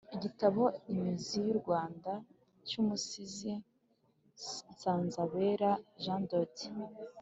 Igitabo “Imizi y’u Rwanda” cy’Umusizi Nsanzabera Jean de Dieu